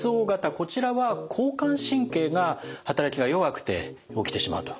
こちらは交感神経が働きが弱くて起きてしまうということでしたね。